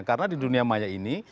karena di dunia maya ini